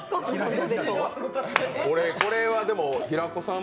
これはでも、平子さん